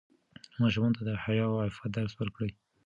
ماشومانو ته د حیا او عفت درس ورکړئ.